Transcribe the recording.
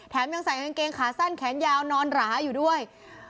ยังใส่กางเกงขาสั้นแขนยาวนอนหราอยู่ด้วย